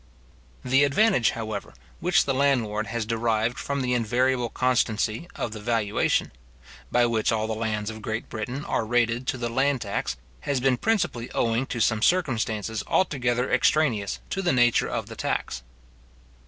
The advantage, however, which the land lord has derived from the invariable constancy of the valuation, by which all the lands of Great Britain are rated to the land tax, has been principally owing to some circumstances altogether extraneous to the nature of the tax.